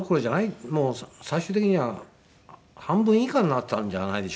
もう最終的には半分以下になったんじゃないでしょうか。